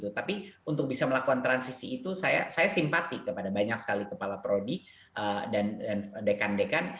tapi untuk bisa melakukan transisi itu saya simpati kepada banyak sekali kepala prodi dan dekan dekan